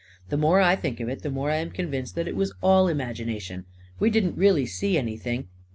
44 The more I think of it, the more I am convinced that it was all imagination. We didn't really see anything